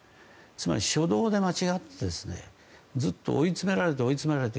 つまり初動で間違ってずっと追い詰められてきた。